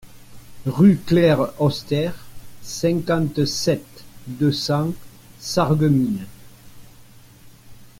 Rue Claire Oster, cinquante-sept, deux cents Sarreguemines